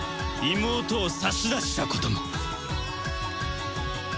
妹を差し出したことも。